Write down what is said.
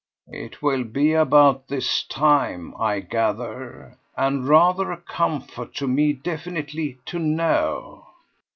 "It will be about his time, I gather, and rather a comfort to me definitely to know."